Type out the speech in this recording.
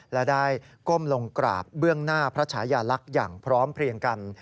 และได้ก้มลงกราบเบื้องหน้าพระชายาลักษณ์อย่างพร้อมเพลียงกัน